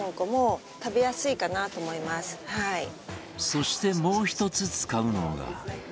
そしてもう１つ使うのが